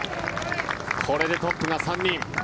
これでトップが３人。